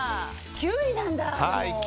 ９位なんだ。